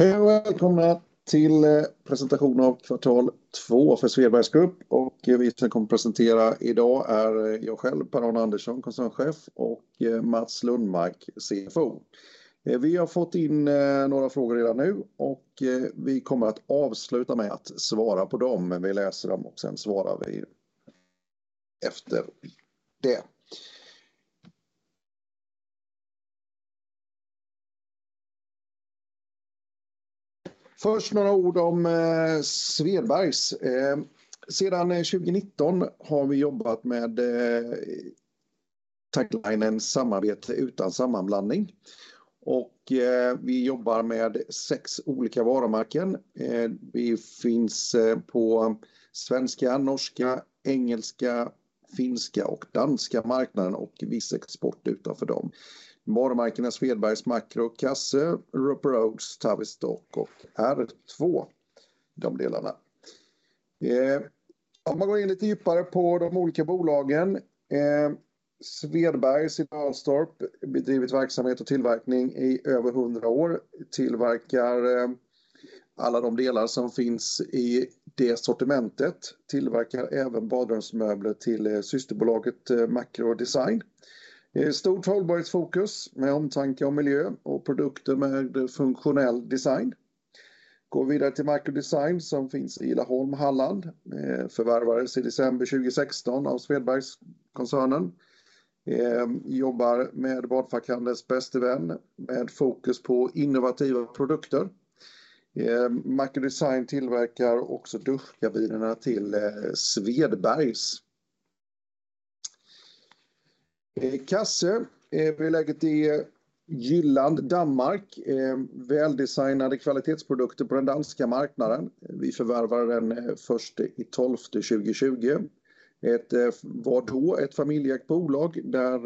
Hej och välkomna till presentation av kvartal två för Svedbergs Group. Vi som kommer presentera i dag är jag själv, Per-Arne Andersson, Koncernchef, och Mats Lundmark, CFO. Vi har fått in några frågor redan nu och vi kommer att avsluta med att svara på dem. Vi läser dem och sen svarar vi efter det. Först några ord om Svedbergs. Sedan 2019 har vi jobbat med taglinen "Samarbete utan sammanblandning." Vi jobbar med sex olika varumärken. Vi finns på svenska, norska, engelska, finska och danska marknaden och viss export utanför dem. Varumärkena Svedbergs, Macro, Cassøe, Roper Rhodes, Tavistock och R2. De delarna. Om man går in lite djupare på de olika bolagen. Svedbergs i Dalstorp bedrivit verksamhet och tillverkning i över 100 år. Tillverkar alla de delar som finns i det sortimentet. Tillverkar även badrumsmöbler till systerbolaget Macro Design. Stort hållbarhetsfokus med omtanke om miljö och produkter med funktionell design. Går vidare till Macro Design som finns i Laholm, Halland. Förvärvades i december 2016 av Svedbergskoncernen. Jobbar med badfackhandelns bäste vän med fokus på innovativa produkter. Macro Design tillverkar också duschkabinerna till Svedbergs. Cassøe är beläget i Jylland, Danmark. Väldesignade kvalitetsprodukter på den danska marknaden. Vi förvärvar den 1.12.2020. Var då ett familjeägt bolag där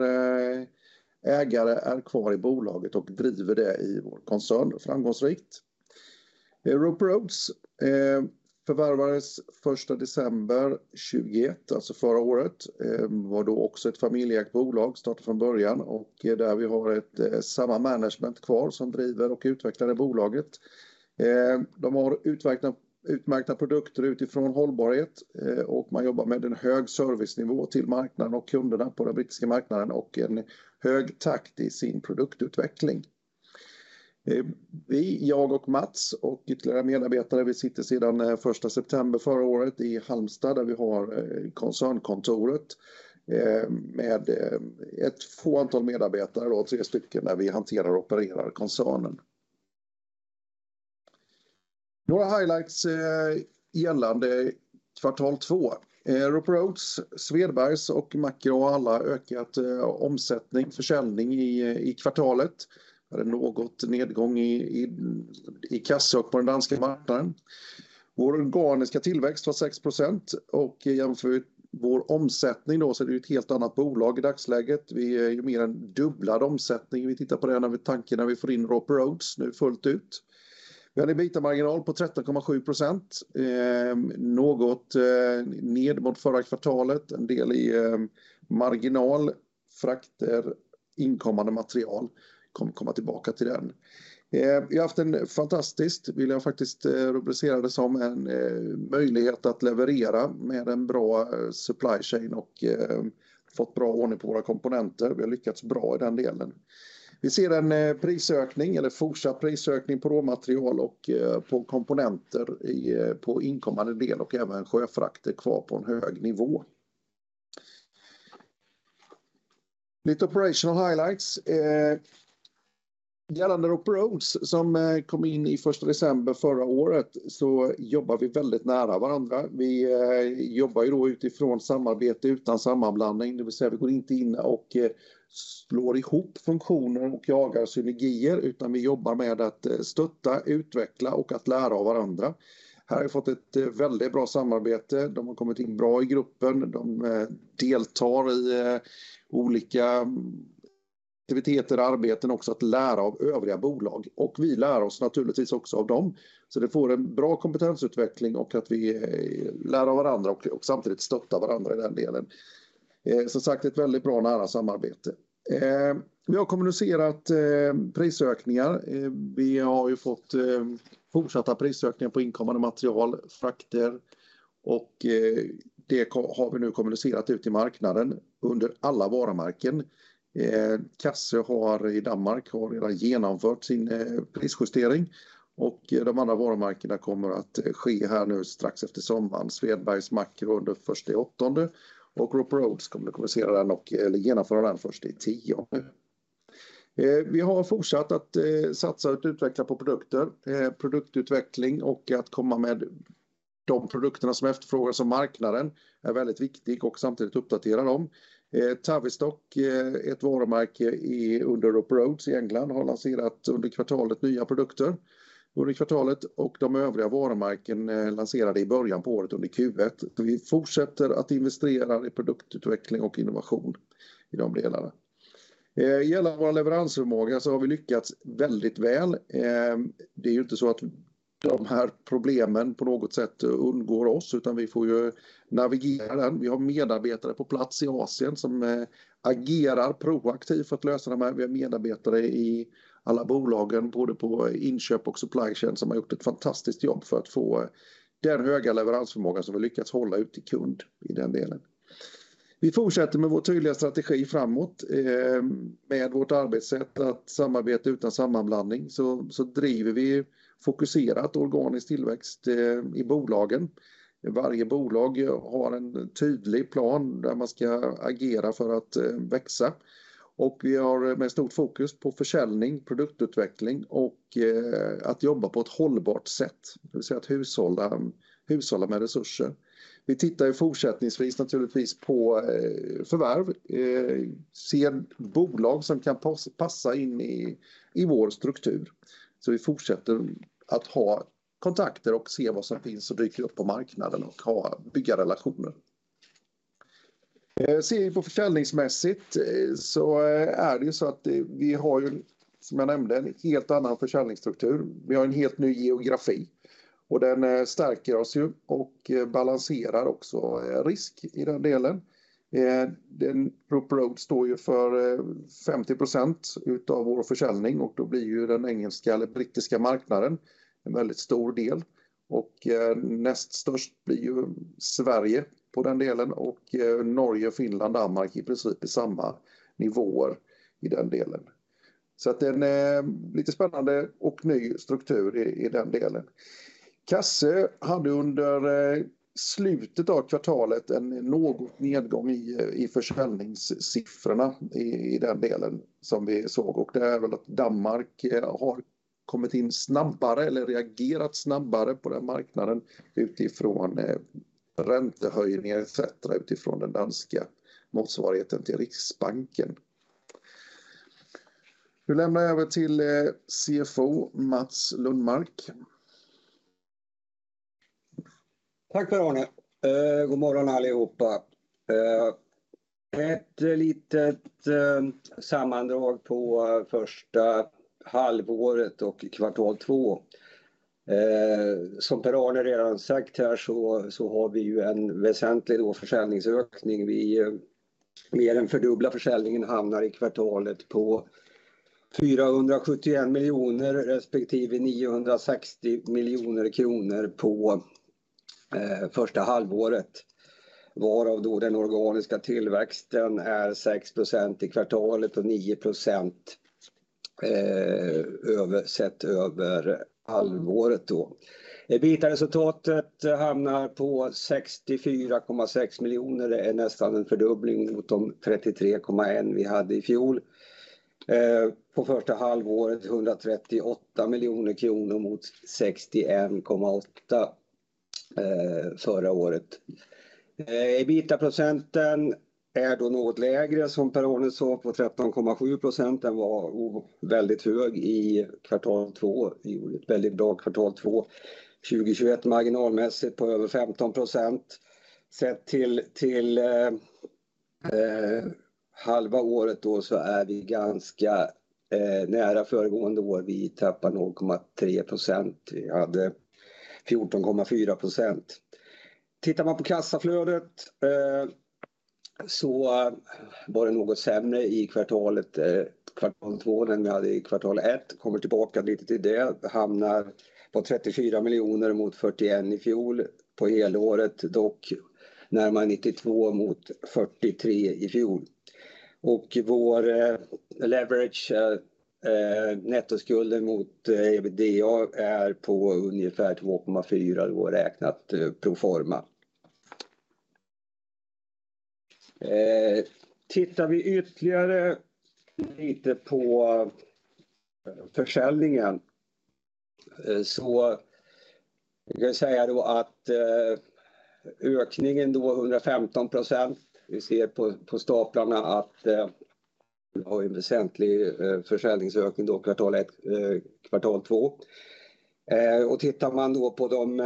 ägare är kvar i bolaget och driver det i vår koncern framgångsrikt. Roper Rhodes förvärvades första december 2021, alltså förra året. Var då också ett familjeägt bolag, startade från början och där vi har samma management kvar som driver och utvecklar det bolaget. De har utmärkta produkter utifrån hållbarhet och man jobbar med en hög servicenivå till marknaden och kunderna på den brittiska marknaden och en hög takt i sin produktutveckling. Vi, jag och Mats och ytterligare medarbetare, vi sitter sedan första september förra året i Halmstad, där vi har koncernkontoret. Med ett fåtal medarbetare då, 3 stycken, där vi hanterar och opererar koncernen. Några highlights gällande kvartal två. Roper Rhodes, Svedbergs och Macro har alla ökat omsättning, försäljning i kvartalet. En viss nedgång i Cassøe på den danska marknaden. Vår organiska tillväxt var 6% och jämför vi vår omsättning då så är det ju ett helt annat bolag i dagsläget. Vi är mer än dubblad omsättning. Vi tittar på det, tanken när vi får in Roper Rhodes nu fullt ut. Vi hade en EBITA-marginal på 13.7%. Något ned mot förra kvartalet. En del i marginal, frakter, inkommande material. Kommer att komma tillbaka till den. Vi har haft en fantastisk, vill jag faktiskt rubricera det som, en möjlighet att leverera med en bra supply chain och fått bra ordning på våra komponenter. Vi har lyckats bra i den delen. Vi ser en prisökning eller fortsatt prisökning på råmaterial och på komponenter i på inkommande del och även sjöfrakter kvar på en hög nivå. Lite operational highlights. Gällande Roper Rhodes som kom in i första december förra året så jobbar vi väldigt nära varandra. Vi jobbar ju då utifrån samarbete utan sammanblandning. Det vill säga, vi går inte in och slår ihop funktioner och jagar synergier, utan vi jobbar med att stötta, utveckla och att lära av varandra. Här har vi fått ett väldigt bra samarbete. De har kommit in bra i gruppen. De deltar i olika aktiviteter, arbeten också att lära av övriga bolag. Vi lär oss naturligtvis också av dem. Det får en bra kompetensutveckling och att vi lär av varandra och samtidigt stöttar varandra i den delen. Som sagt, ett väldigt bra nära samarbete. Vi har kommunicerat prisökningar. Vi har ju fått fortsatta prisökningar på inkommande material, frakter och det har vi nu kommunicerat ut i marknaden under alla varumärken. Cassøe har i Danmark redan genomfört sin prisjustering och de andra varumärkena kommer att ske här nu strax efter sommaren. Svedbergs, Macro under 1.8 och Roper Rhodes kommer att kommunicera den och, eller genomföra den 1.10. Vi har fortsatt att satsa och utveckla på produkter, produktutveckling och att komma med de produkterna som efterfrågas av marknaden är väldigt viktig och samtidigt uppdatera dem. Tavistock, ett varumärke i, under Roper Rhodes i England, har lanserat under kvartalet nya produkter under kvartalet och de övriga varumärken lanserade i början på året under Q1. Vi fortsätter att investera i produktutveckling och innovation i de delarna. Gällande vår leveransförmåga så har vi lyckats väldigt väl. De här problemen på något sätt undgår oss, utan vi får ju navigera den. Vi har medarbetare på plats i Asien som agerar proaktivt för att lösa de här. Vi har medarbetare i alla bolagen, både på inköp och supply chain som har gjort ett fantastiskt jobb för att få den höga leveransförmåga som vi lyckats hålla ut i kund i den delen. Vi fortsätter med vår tydliga strategi framåt. Med vårt arbetssätt att samarbeta utan sammanblandning driver vi fokuserat organisk tillväxt i bolagen. Varje bolag har en tydlig plan där man ska agera för att växa. Och vi har med stort fokus på försäljning, produktutveckling och att jobba på ett hållbart sätt. Det vill säga att hushålla med resurser. Vi tittar ju fortsättningsvis naturligtvis på förvärv. Ser bolag som kan passa in i vår struktur. Vi fortsätter att ha kontakter och se vad som finns och dyker upp på marknaden och bygga relationer. Ser vi på försäljningsmässigt så är det ju så att vi har ju, som jag nämnde, en helt annan försäljningsstruktur. Vi har en helt ny geografi och den stärker oss ju och balanserar också risk i den delen. Roper Rhodes står ju för 50% av vår försäljning och då blir ju den engelska eller brittiska marknaden en väldigt stor del. Näst störst blir ju Sverige på den delen och Norge, Finland, Danmark i princip i samma nivåer i den delen. Det är en lite spännande och ny struktur i den delen. Cassøe hade under slutet av kvartalet en något nedgång i försäljningssiffrorna i den delen som vi såg. Det är väl att Danmark har kommit in snabbare eller reagerat snabbare på den marknaden utifrån räntehöjningar et cetera utifrån den danska motsvarigheten till Riksbanken. Nu lämnar jag över till CFO Mats Lundmark. Tack Per-Arne. God morgon allihopa. Ett litet sammandrag på första halvåret och kvartal två. Som Per-Arne redan sagt här så har vi ju en väsentlig försäljningsökning. Vi mer än fördubblar försäljningen, hamnar i kvartalet på SEK 471 million respektive SEK 960 million på första halvåret. Varav den organiska tillväxten är 6% i kvartalet och 9%, sett över halvåret då. EBITA-resultatet hamnar på 64.6 million. Det är nästan en fördubbling mot de 33.1 vi hade i fjol. På första halvåret 138 million SEK mot 61.8 förra året. EBITA-procenten är då något lägre som Per-Arne sa på 13.7%. Den var väldigt hög i kvartal två. Vi gjorde ett väldigt bra kvartal två 2021 marginalmässigt på över 15%. Sett till halva året då så är vi ganska nära föregående år. Vi tappar 0.3%. Vi hade 14.4%. Tittar man på kassaflödet så var det något sämre i kvartalet, kvartal två än vi hade i kvartal ett. Kommer tillbaka lite till det. Hamnar på SEK 34 miljoner mot SEK 41 i fjol. På helåret dock närmare SEK 92 mot SEK 43 i fjol. Vår leverage nettoskulden mot EBITDA är på ungefär 2.4 då räknat pro forma. Tittar vi ytterligare lite på försäljningen så kan jag säga då att ökningen då 115%, vi ser på staplarna att vi har en väsentlig försäljningsökning då kvartal ett, kvartal två. Tittar man då på de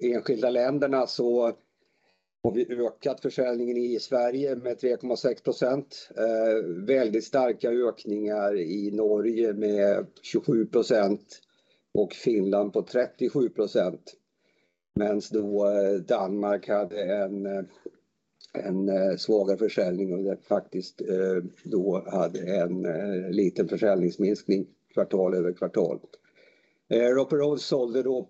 enskilda länderna så har vi ökat försäljningen i Sverige med 3.6%. Väldigt starka ökningar i Norge med 27% och Finland på 37%. Medans Danmark hade en svagare försäljning och där faktiskt hade en liten försäljningsminskning kvartal över kvartal. Roper Rhodes sålde då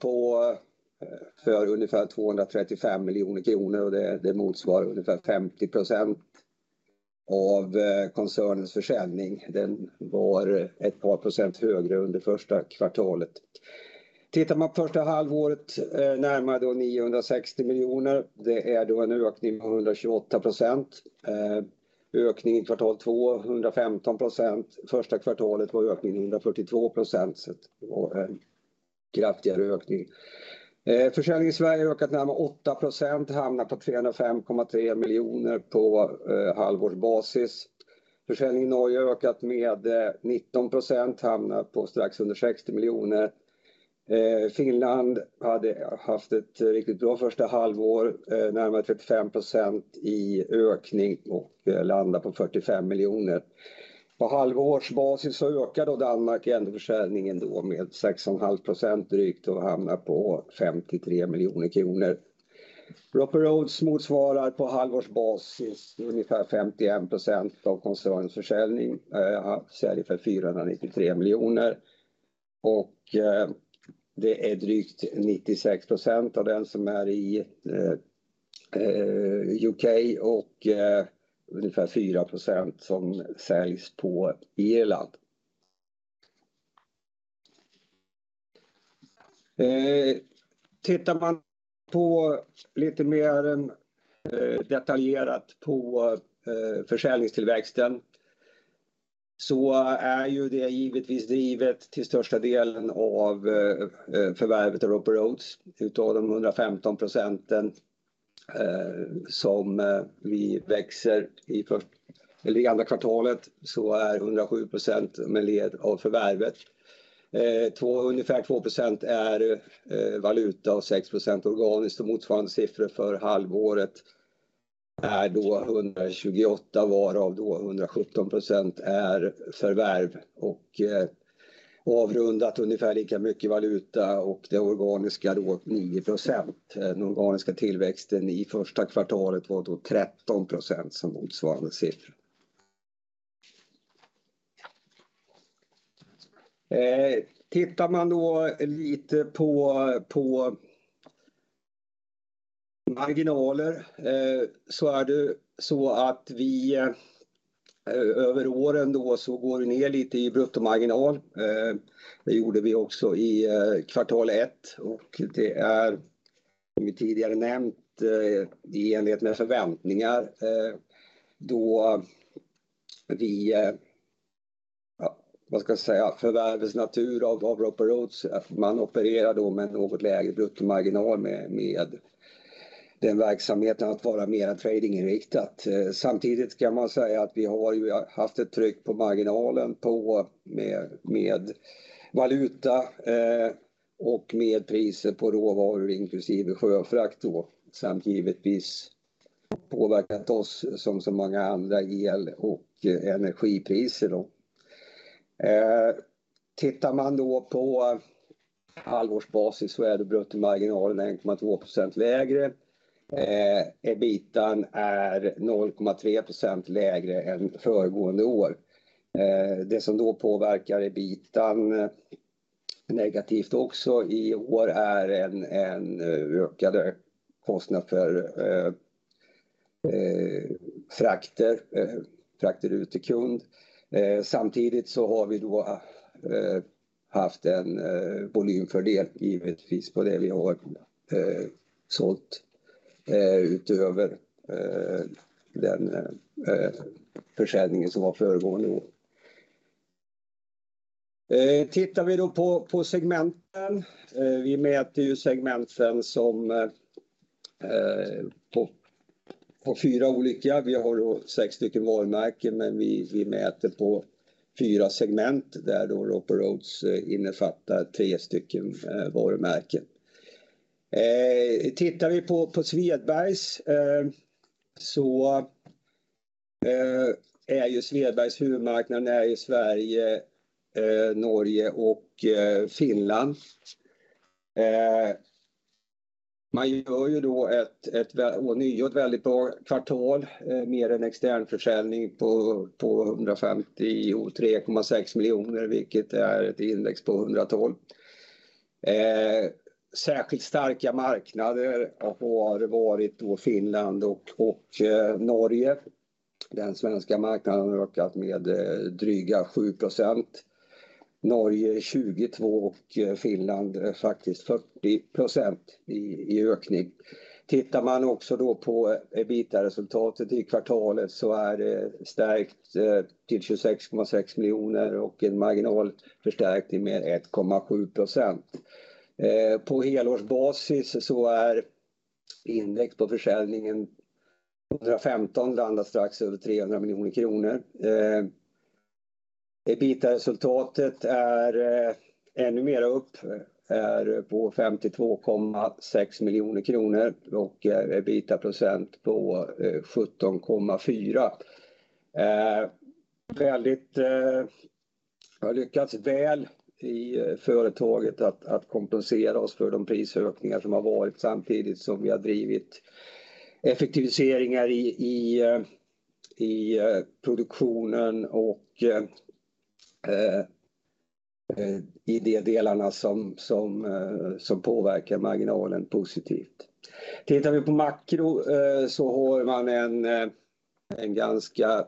för ungefär SEK 235 miljoner och det motsvarar ungefär 50% av koncernens försäljning. Den var ett par procent högre under första kvartalet. Tittar man första halvåret närmare då SEK 960 miljoner. Det är då en ökning på 128%. Ökning i kvartal två 115%. Första kvartalet var ökningen 142%. Det var en kraftigare ökning. Försäljningen i Sverige har ökat närmare 8%, hamnar på SEK 305.3 miljoner på halvårsbasis. Försäljningen i Norge ökat med 19%, hamnar på strax under SEK 60 miljoner. Finland hade haft ett riktigt bra första halvår, närmare 35% i ökning och landar på SEK 45 miljoner. På halvårsbasis så ökar då Danmark ändå försäljningen då med 6.5% drygt och hamnar på SEK 53 miljoner. Roper Rhodes motsvarar på halvårsbasis ungefär 51% av koncernens försäljning, säljer för SEK 493 million. Det är drygt 96% av den som är i UK och ungefär 4% som säljs på Irland. Tittar man på lite mer detaljerat på försäljningstillväxten så är ju det givetvis drivet till största delen av förvärvet av Roper Rhodes. Av de 115%, som vi växer i andra kvartalet så är 107% på grund av förvärvet. Ungefär 2% är valuta och 6% organiskt och motsvarande siffror för halvåret är då 128, varav då 117% är förvärv och avrundat ungefär lika mycket valuta och det organiska då 9%. Den organiska tillväxten i första kvartalet var då 13% som motsvarande siffra. Tittar man då lite på marginaler, så är det så att vi över åren då så går vi ner lite i bruttomarginal. Det gjorde vi också i kvartal ett och det är som vi tidigare nämnt i enlighet med förväntningar. Då vi, ja, vad ska jag säga, förvärvens natur av Roper Rhodes. Man opererar då med något lägre bruttomarginal med den verksamheten att vara mer tradinginriktat. Samtidigt kan man säga att vi har ju haft ett tryck på marginalen på med valuta och med priser på råvaror inklusive sjöfrakt då. Samt givetvis påverkat oss som så många andra el- och energipriser då. Tittar man då på halvårsbasis så är det bruttomarginalen 1.2% lägre. EBITA är 0.3% lägre än föregående år. Det som då påverkar EBITA negativt också i år är en ökad kostnad för frakter ut till kund. Samtidigt så har vi då haft en volymfördel givetvis på det vi har sålt utöver den försäljningen som var föregående år. Tittar vi då på segmenten. Vi mäter ju segmenten som på fyra olika. Vi har då sex stycken varumärken, men vi mäter på fyra segment där Roper Rhodes innefattar tre stycken varumärken. Tittar vi på Svedbergs, så är ju Svedbergs huvudmarknad Sverige, Norge och Finland. Man gör ju då ånyo ett väldigt bra kvartal. Mer än extern försäljning på SEK 153.6 miljoner, vilket är ett index på 112. Särskilt starka marknader har varit Finland och Norge. Den svenska marknaden har ökat med dryga 7%. Norge 22 och Finland faktiskt 40% i ökning. Tittar man också då på EBITA-resultatet i kvartalet så är det stärkt till 26.6 miljoner och en marginalförstärkning med 1.7%. På helårsbasis så är index på försäljningen 115 landat strax över 300 miljoner kronor. EBITA-resultatet är ännu mera upp, är på 52.6 miljoner kronor och EBITA-procent på 17.4%. Har lyckats väl i företaget att kompensera oss för de prisökningar som har varit samtidigt som vi har drivit effektiviseringar i produktionen och i de delarna som påverkar marginalen positivt. Tittar vi på Macro så har man en ganska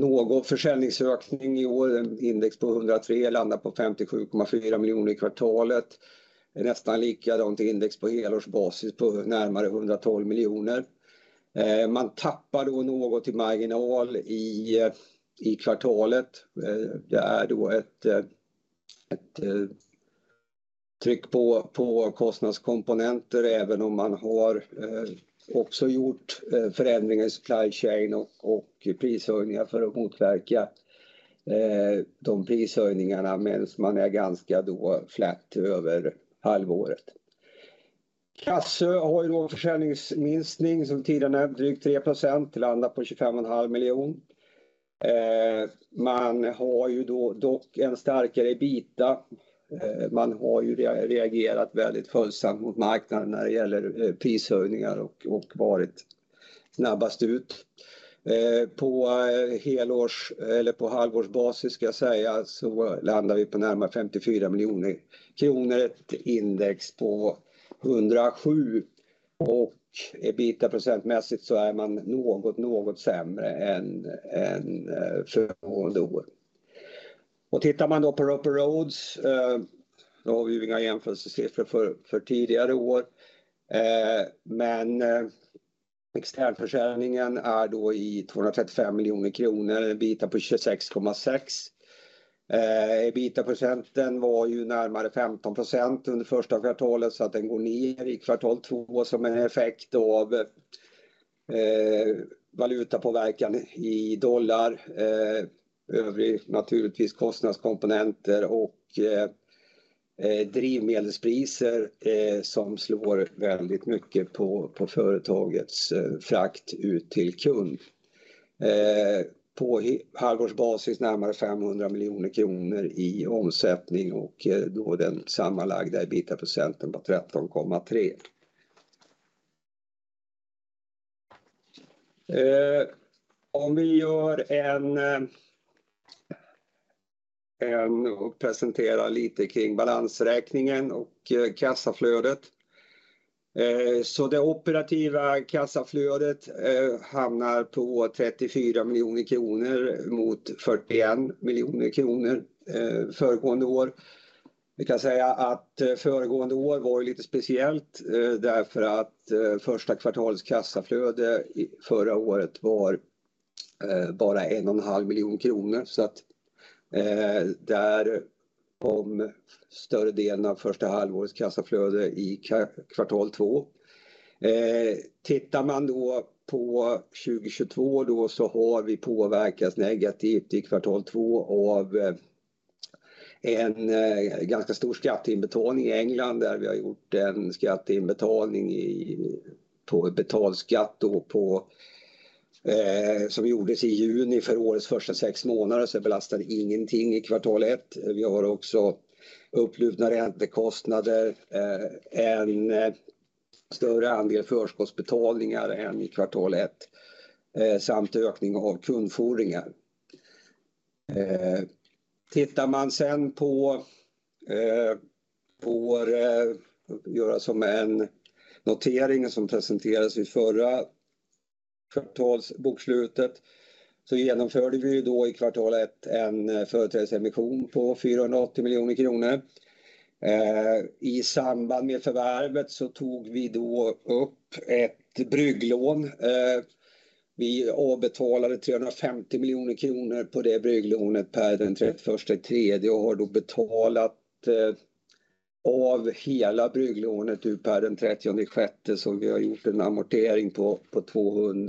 någon försäljningsökning i år. Index på 103 landar på 57.4 miljoner i kvartalet. Nästan likadant index på helårsbasis på närmare SEK 112 miljoner. Man tappar då något i marginal i kvartalet. Det är då ett tryck på kostnadskomponenter även om man har också gjort förändring i supply chain och prishöjningar för att motverka de prishöjningarna medan man är ganska flat över halvåret. Cassøe har ju då en försäljningsminskning som tidigare nämnt drygt 3%, landat på SEK 25 och en halv miljon. Man har ju då dock en starkare EBITDA. Man har ju reagerat väldigt följsamt mot marknaden när det gäller prishöjningar och varit snabbast ut. På helårs- eller på halvårsbasis ska jag säga, så landar vi på närmare SEK 54 miljoner, ett index på 107. EBITDA-procentmässigt så är man något sämre än föregående år. Tittar man då på Roper Rhodes, då har vi inga jämförelseciffror för tidigare år. Externförsäljningen är då i 235 miljoner kronor, en EBITDA på 26.6. EBITDA-procenten var ju närmare 15% under första kvartalet så att den går ner i kvartal två som en effekt då av valutapåverkan i dollar. Övrig naturligtvis kostnadskomponenter och drivmedelspriser som slår väldigt mycket på företagets frakt ut till kund. På halvårsbasis närmare 500 miljoner kronor i omsättning och då den sammanlagda EBITDA-procenten på 13.3%. Presenterar lite kring balansräkningen och kassaflödet. Det operativa kassaflödet hamnar på 34 miljoner kronor mot 41 miljoner kronor föregående år. Vi kan säga att föregående år var ju lite speciellt därför att första kvartalets kassaflöde förra året var bara en och en halv miljon kronor. Där kom större delen av första halvårets kassaflöde i kvartal två. Tittar man då på 2022 så har vi påverkats negativt i kvartal två av en ganska stor skatteinbetalning i England, där vi har gjort en skatteinbetalning på förskottsskatt som gjordes i juni för årets första sex månader så belastar det ingenting i kvartal ett. Vi har också upplupna räntekostnader, en större andel förskottsbetalningar än i kvartal ett samt ökning av kundfordringar. Tittar man sen på notering som presenterades vid förra kvartalsbokslutet. Genomförde vi då i kvartal ett en företrädesemission på SEK 480 million. I samband med förvärvet så tog vi då upp ett brygglån. Vi avbetalade SEK 350 million på det brygglånet per den 31 i tredje och har då betalat av hela brygglånet nu per den 30 i sjätte. Vi har gjort en amortering på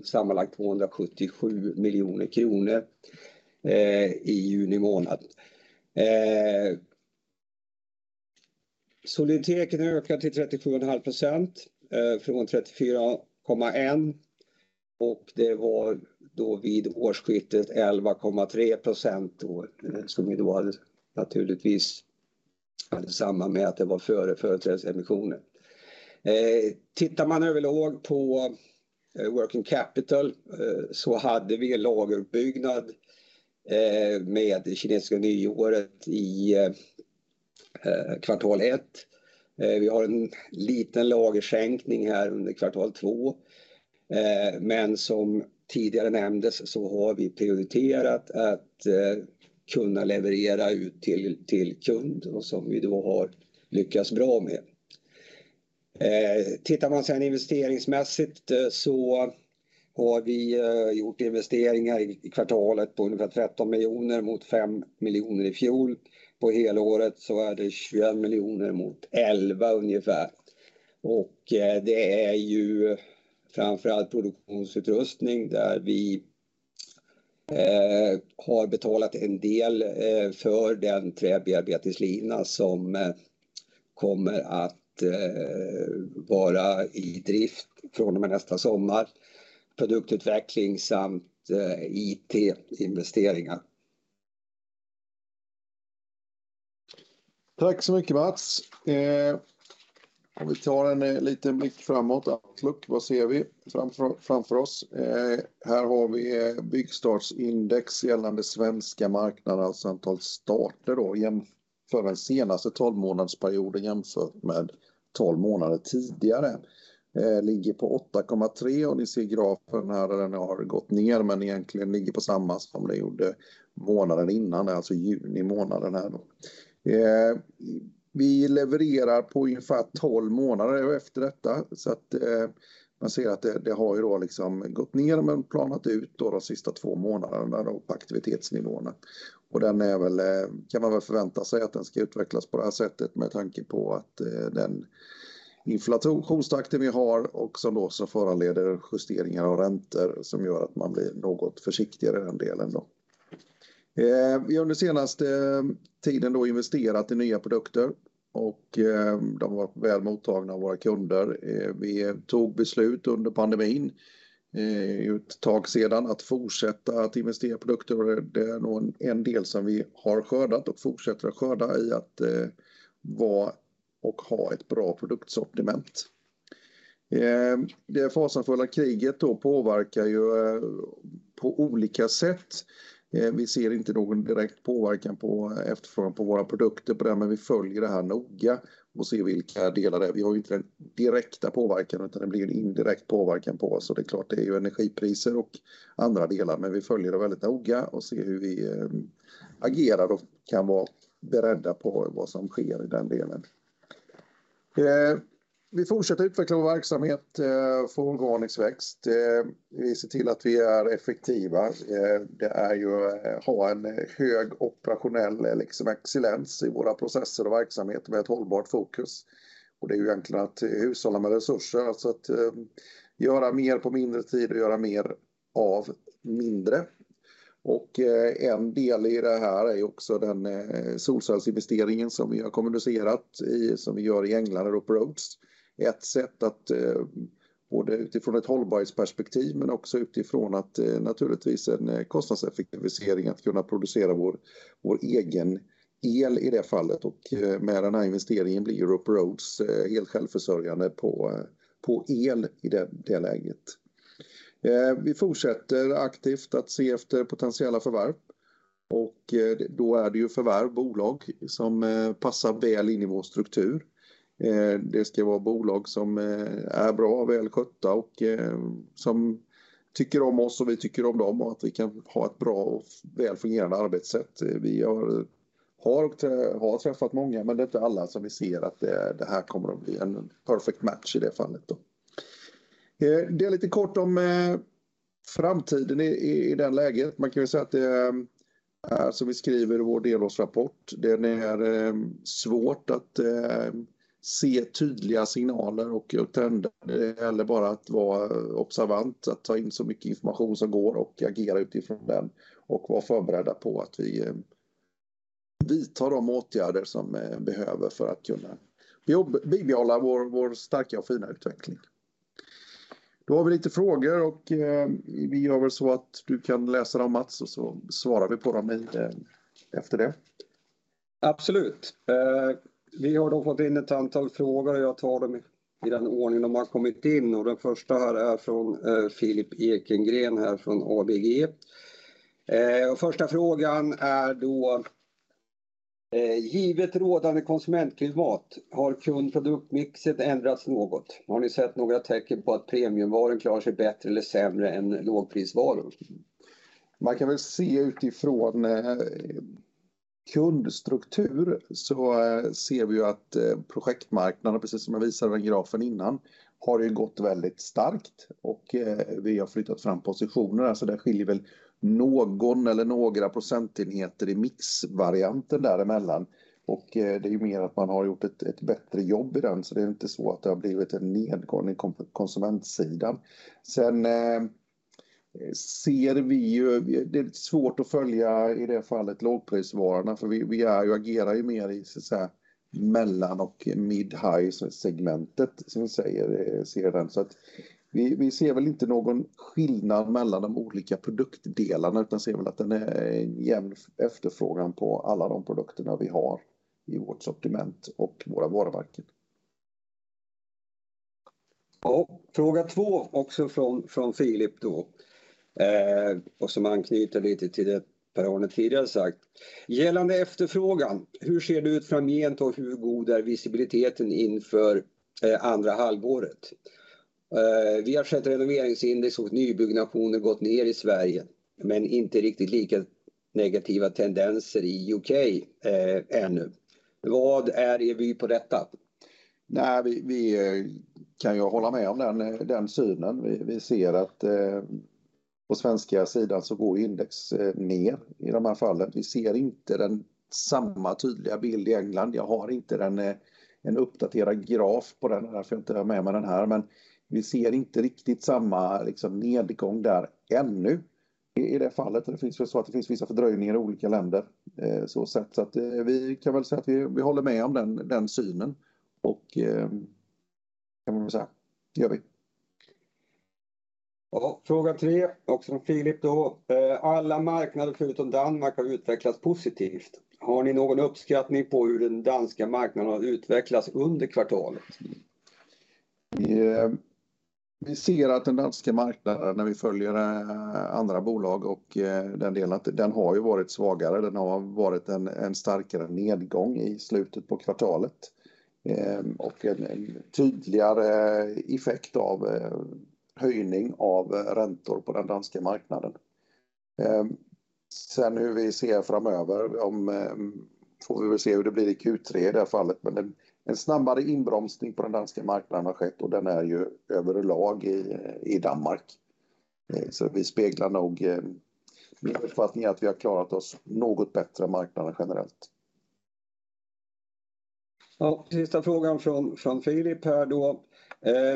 sammanlagt SEK 277 million i juni månad. Soliditeten ökar till 37.5% från 34.1%. Det var då vid årsskiftet 11.3%. Skulle vi då naturligtvis hade samband med att det var före företrädesemissionen. Tittar man överlag på working capital så hade vi lageruppbyggnad med det kinesiska nyåret i kvartal ett. Vi har en liten lagersänkning här under kvartal två. Men som tidigare nämndes så har vi prioriterat att kunna leverera ut till kund och som vi då har lyckats bra med. Tittar man sen investeringsmässigt så har vi gjort investeringar i kvartalet på ungefär SEK 13 million mot SEK 5 million i fjol. På helåret så är det SEK 21 million mot SEK 11 million ungefär. Det är ju framför allt produktionsutrustning där vi har betalat en del för den träbearbetningslina som kommer att vara i drift från och med nästa sommar. Produktutveckling samt IT-investeringar. Tack så mycket Mats. Om vi tar en liten blick framåt. Outlook, vad ser vi framför oss? Här har vi Byggstartsindex gällande svenska marknaden, alltså antal starter då för den senaste 12 månadsperioden jämfört med 12 månader tidigare. Ligger på 8.3 och ni ser grafen här där den har gått ner men egentligen ligger på samma som det gjorde månaden innan, alltså juni månaden här då. Vi levererar på ungefär 12 månader efter detta. Så att man ser att det har liksom gått ner men planat ut de sista 2 månaderna då på aktivitetsnivåerna. Den är väl, kan man väl förvänta sig att den ska utvecklas på det här sättet med tanke på att den inflationstakten vi har och som då som föranleder justeringar av räntor som gör att man blir något försiktigare i den delen då. Vi under senaste tiden då investerat i nya produkter och de har varit väl mottagna av våra kunder. Vi tog beslut under pandemin för ett tag sedan att fortsätta att investera i produkter. Det är nog en del som vi har skördat och fortsätter att skörda i att vara och ha ett bra produktsortiment. Det fasansfulla kriget då påverkar ju på olika sätt. Vi ser inte någon direkt påverkan på efterfrågan på våra produkter på det, men vi följer det här noga och ser vilka delar det. Vi har inte den direkta påverkan, utan det blir en indirekt påverkan på oss. Det är klart, det är ju energipriser och andra delar, men vi följer det väldigt noga och ser hur vi agerar och kan vara beredda på vad som sker i den delen. Vi fortsätter utveckla vår verksamhet, få ordning och tillväxt. Vi ser till att vi är effektiva. Det är ju att ha en hög operationell, liksom excellens i våra processer och verksamhet med ett hållbart fokus. Det är ju egentligen att hushålla med resurser, alltså att göra mer på mindre tid och göra mer av mindre. En del i det här är också den solcellsinvesteringen som vi har kommunicerat i, som vi gör i England eller Roper Rhodes. Ett sätt att både utifrån ett hållbarhetsperspektiv, men också utifrån att naturligtvis en kostnadseffektivisering att kunna producera vår egen el i det fallet. Med den här investeringen blir Roper Rhodes helsjälvförsörjande på el i det läget. Vi fortsätter aktivt att se efter potentiella förvärv och då är det ju förvärv, bolag som passar väl in i vår struktur. Det ska vara bolag som är bra, välskötta och som tycker om oss och vi tycker om dem och att vi kan ha ett bra och väl fungerande arbetssätt. Vi har träffat många, men det är inte alla som vi ser att det här kommer att bli en perfect match i det fallet då. Det är lite kort om framtiden i det läget. Man kan väl säga att det är som vi skriver i vår delårsrapport. Det är svårt att se tydliga signaler och upptända. Det gäller bara att vara observant, att ta in så mycket information som går och agera utifrån den och vara förberedda på att vi vidtar de åtgärder som behöver för att kunna jobba, bibehålla vår starka och fina utveckling. Då har vi lite frågor och vi gör väl så att du kan läsa dem Mats och så svarar vi på dem efter det. Absolut. Vi har då fått in ett antal frågor. Jag tar dem i den ordningen de har kommit in. Den första här är från Filip Ekengren här från ABG. Första frågan är då: Givet rådande konsumentklimat, har kundproduktmixet ändrats något? Har ni sett några tecken på att premiumvaror klarar sig bättre eller sämre än lågprisvaror? Man kan väl se utifrån kundstruktur så ser vi att projektmarknaden, precis som jag visade den grafen innan, har ju gått väldigt starkt och vi har flyttat fram positioner. Alltså, där skiljer väl någon eller några procentenheter i mixvarianten däremellan. Det är mer att man har gjort ett bättre jobb i den. Det är inte så att det har blivit en nedgång i konsumentsidan. Ser vi ju, det är svårt att följa i det fallet lågprisvarorna för vi agerar mer i så att säga mellan- och mid-high segmentet som vi säger. Ser vi den. Vi ser väl inte någon skillnad mellan de olika produktdelarna, utan ser väl att den är en jämn efterfrågan på alla de produkterna vi har i vårt sortiment och våra varumärken. Ja, fråga två, också från Filip då. Som anknyter lite till det Per-Arne tidigare sagt. Gällande efterfrågan, hur ser det ut framgent och hur god är visibiliteten inför andra halvåret? Vi har sett Renoveringsindex och nybyggnationer gått ner i Sverige, men inte riktigt lika negativa tendenser i UK ännu. Vad är er vy på detta? Nej, vi kan jag hålla med om den synen. Vi ser att på svenska sidan så går index ner i de här fallen. Vi ser inte den samma tydliga bild i England. Jag har inte den, en uppdaterad graf på den. Därför har jag inte med mig den här. Men vi ser inte riktigt samma, liksom nedgång där ännu i det fallet. Det finns vissa fördröjningar i olika länder. Så sett. Så att vi kan väl säga att vi håller med om den synen. Kan man väl säga, det gör vi. Ja, fråga tre, också från Filip då. Alla marknader förutom Danmark har utvecklats positivt. Har ni någon uppskattning på hur den danska marknaden har utvecklats under kvartalet? Vi ser att den danska marknaden när vi följer andra bolag och den delen, att den har ju varit svagare. Den har varit en starkare nedgång i slutet på kvartalet. En tydligare effekt av höjning av räntor på den danska marknaden. Sen hur vi ser framöver. Får vi väl se hur det blir i Q3 i det fallet. Men en snabbare inbromsning på den danska marknaden har skett och den är ju överlag i Danmark. Vi speglar nog, min uppfattning är att vi har klarat oss något bättre än marknaden generellt. Ja, sista frågan från Filip här då.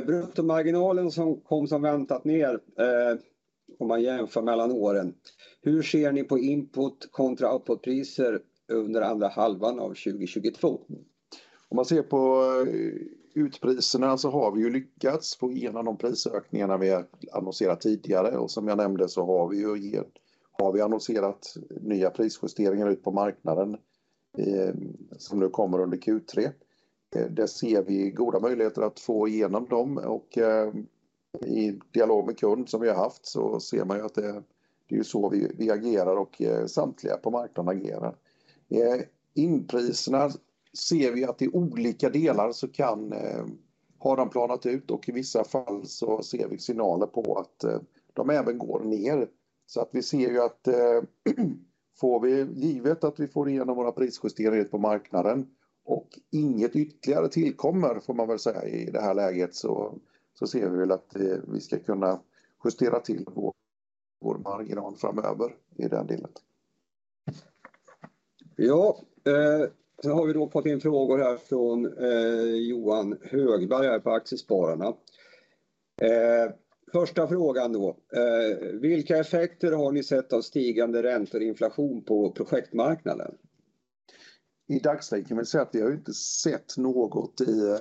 Bruttomarginalen som kom som väntat ner, om man jämför mellan åren. Hur ser ni på input kontra outputpriser under andra halvan av 2022? Om man ser på utpriserna så har vi ju lyckats få igenom de prisökningarna vi har annonserat tidigare. Som jag nämnde så har vi ju annonserat nya prisjusteringar ut på marknaden, som nu kommer under Q3. Det ser vi goda möjligheter att få igenom dem och i dialog med kund som vi haft så ser man ju att det är ju så vi agerar och samtliga på marknaden agerar. Inpriserna ser vi att i olika delar har de planat ut och i vissa fall så ser vi signaler på att de även går ner. Att vi ser ju att vi får igenom våra prisjusteringar ut på marknaden och inget ytterligare tillkommer får man väl säga i det här läget, så ser vi väl att vi ska kunna justera till vår marginal framöver i den delen. har vi då fått in frågor här från Johan Högberg här på Aktiespararna. Första frågan då: Vilka effekter har ni sett av stigande räntor, inflation på projektmarknaden? I dagsläget kan vi säga att vi har inte sett något i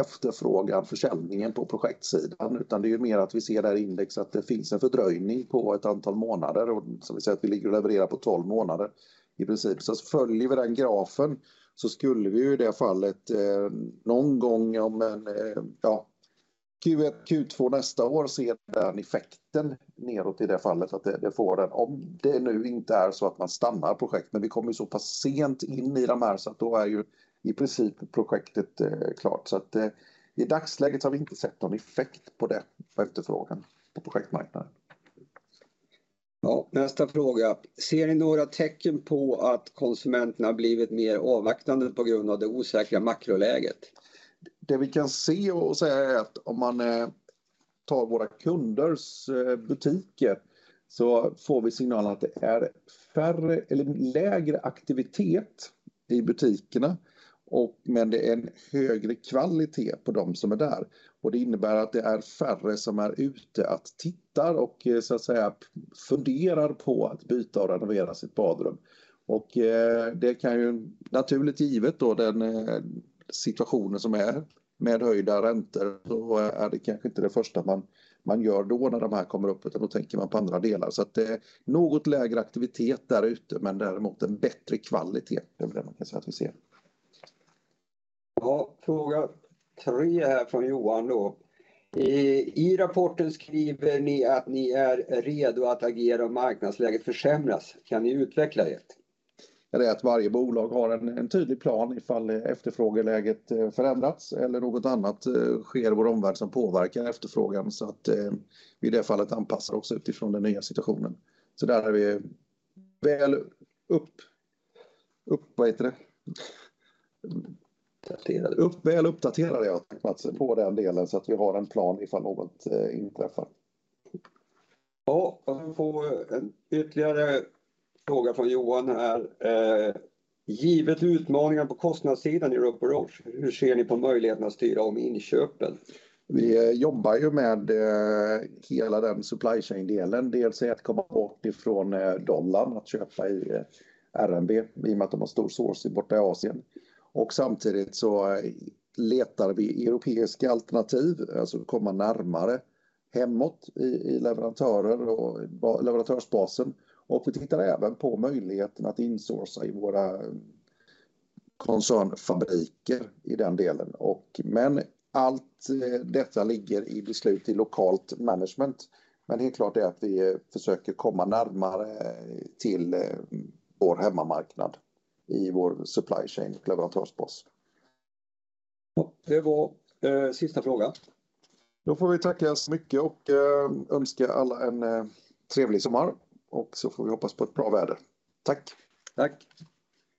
efterfrågan, försäljningen på projektsidan, utan det är mer att vi ser där i index att det finns en fördröjning på ett antal månader. Som vi säger att vi ligger och levererar på 12 månader i princip. Följer vi den grafen så skulle vi i det fallet någon gång om en, ja, Q1, Q2 nästa år se den effekten nedåt i det fallet. Att det får den. Om det nu inte är så att man stannar projekt, men vi kommer ju så pass sent in i de här. Då är ju i princip projektet klart. I dagsläget har vi inte sett någon effekt på det, på efterfrågan på projektmarknaden. Ja, nästa fråga: Ser ni några tecken på att konsumenten har blivit mer avvaktande på grund av det osäkra makroläget? Det vi kan se och säga är att om man tar våra kunders butiker så får vi signaler att det är färre eller lägre aktivitet i butikerna och det är en högre kvalitet på de som är där. Det innebär att det är färre som är ute att tittar och så att säga funderar på att byta och renovera sitt badrum. Det kan ju naturligt givet då den situationen som är med höjda räntor. Är det kanske inte det första man gör då när de här kommer upp, utan då tänker man på andra delar. Att det är något lägre aktivitet där ute, men däremot en bättre kvalitet. Det är väl det man kan säga att vi ser. Ja, fråga tre här från Johan då. I rapporten skriver ni att ni är redo att agera om marknadsläget försämras. Kan ni utveckla det? Ja det är att varje bolag har en tydlig plan ifall efterfrågeläget förändrats eller något annat sker i vår omvärld som påverkar efterfrågan. Att vi i det fallet anpassar oss utifrån den nya situationen. Där är vi väl uppdaterade på den delen så att vi har en plan ifall något inträffar. Ja, jag får en ytterligare fråga från Johan här. Givet utmaningen på kostnadssidan i Roper Rhodes, hur ser ni på möjligheten att styra om inköpen? Vi jobbar ju med hela den supply chain-delen. Dels i att komma bort ifrån dollarn, att köpa i RMB i och med att de har stor sourcing bort i Asien. Samtidigt så letar vi europeiska alternativ, alltså komma närmare hemåt i leverantörer och leverantörsbasen. Vi tittar även på möjligheten att insourca i våra koncernfabriker i den delen. Allt detta ligger i beslut i lokalt management. Helt klart är att vi försöker komma närmare till vår hemmamarknad i vår supply chain, leverantörsbas. Det var sista frågan. Då får vi tacka så mycket och önska alla en trevlig sommar och så får vi hoppas på ett bra väder. Tack. Tack!